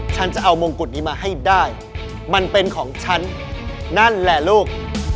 ฉันจะเอามงกุฎนี้มาให้ได้มันเป็นของฉันนั่นแหละลูก